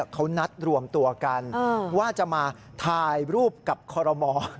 เขานัดรวมตัวกันว่าจะมาถ่ายรูปกับคอรมอล